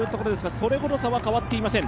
それほど差は変わっていません。